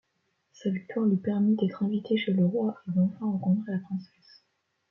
Sa victoire lui permit d’être invité chez le roi et d’enfin rencontrer la princesse.